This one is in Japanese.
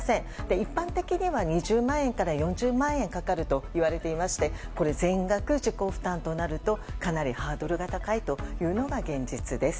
一般的には２０万円から４０万円かかるといわれていましてこれが全額自己負担となるとかなりハードルが高いというのが現実です。